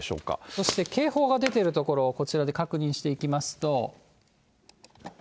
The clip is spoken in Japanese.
そして警報が出ている所、こちらで確認していきますと。